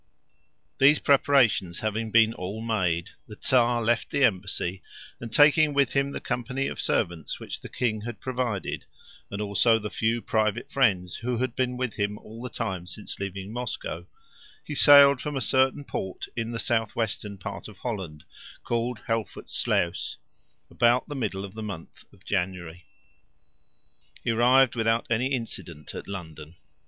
These preparations having been all made, the Czar left the embassy, and taking with him the company of servants which the king had provided, and also the few private friends who had been with him all the time since leaving Moscow, he sailed from a certain port in the south western part of Holland, called Helvoetsluys, about the middle of the month of January. He arrived without any accident at London.